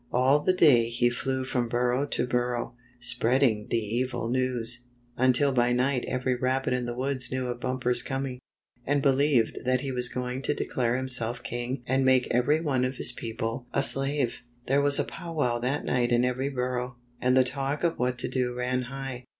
All the day he flew from burrow to burrow, spreading the evil news, until by night every rabbit in the woods knew of Bumper's coming, and believed that he was going to declare him self king and make every one of his people a 70 The Work of Shrike the Butcher Bird slave. There was a pow wow that night in every burrow, and the talk of what to do ran high.